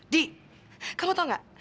di kamu tau gak